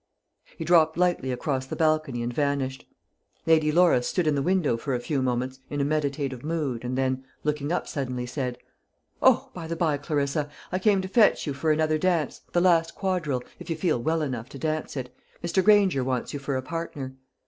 He dropped lightly across the balcony and vanished. Lady Laura stood in the window for a few moments in a meditative mood, and then, looking up suddenly, said, "O, by the bye, Clarissa, I came to fetch you for another dance, the last quadrille, if you feel well enough to dance it. Mr. Granger wants you for a partner."